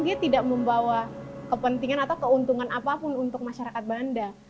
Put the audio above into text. dia tidak membawa kepentingan atau keuntungan apapun untuk masyarakat banda